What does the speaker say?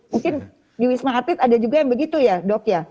mungkin di wisma atlet ada juga yang begitu ya dok ya